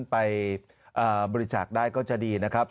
ไปบริจาคได้ก็จะดีนะครับ